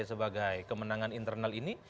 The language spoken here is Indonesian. sebagai kemenangan internal ini